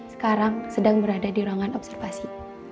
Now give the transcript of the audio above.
sekarang sedang berada di ruangan observasi